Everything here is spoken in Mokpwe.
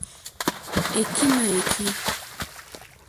Èkí nà èkí.